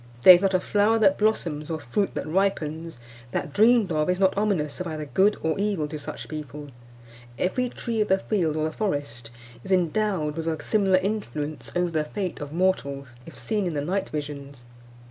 There is not a flower that blossoms, or fruit that ripens, that, dreamed of, is not ominous of either good or evil to such people. Every tree of the field or the forest is endowed with a similar influence over the fate of mortals, if seen in the night visions.